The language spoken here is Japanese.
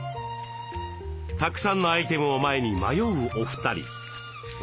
たくさんのアイテムを前に迷うお二人。